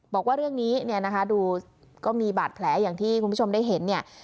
บอกว่าเรื่องนี้เนี่ยนะคะดูก็มีบาดแผลอย่างที่คุณผู้ชมได้เห็นเนี่ย